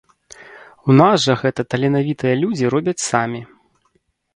У нас жа гэта таленавітыя людзі робяць самі.